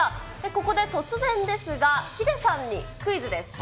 ここで突然ですが、ヒデさんにクイズです。